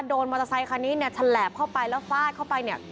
มอเตอร์ไซคันนี้เนี่ยฉลาบเข้าไปแล้วฟาดเข้าไปเนี่ย